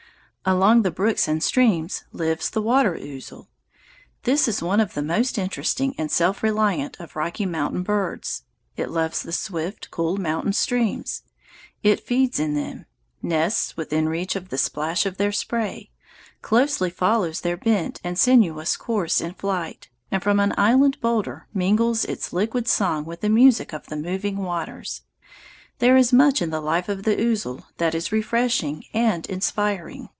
Along the brooks and streams lives the water ouzel. This is one of the most interesting and self reliant of Rocky Mountain birds. It loves the swift, cool mountain streams. It feeds in them, nests within reach of the splash of their spray, closely follows their bent and sinuous course in flight, and from an islanded boulder mingles its liquid song with the music of the moving waters. There is much in the life of the ouzel that is refreshing and inspiring.